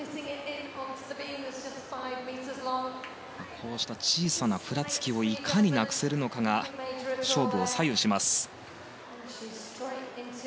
こうした小さなふらつきをいかになくせるのかが勝負を左右します。